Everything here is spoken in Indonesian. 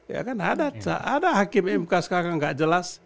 ya kan ada ada hakim mk sekarang tidak jelas